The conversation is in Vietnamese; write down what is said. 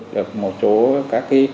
được một số các cái